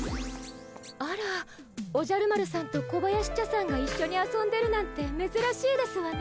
あらおじゃる丸さんと小林茶さんが一緒に遊んでるなんてめずらしいですわね。